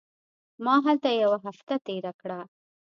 ما هلته یوه هفته تېره کړه.